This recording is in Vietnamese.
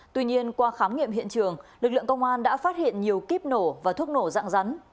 tuy nhiên qua khám nghiệm hiện trường lực lượng công an đã phát hiện nhiều kíp nổ và thuốc nổ dạng rắn